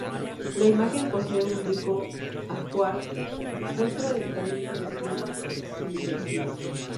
La imagen posee un rico ajuar, muestra del cariño de su feligresía.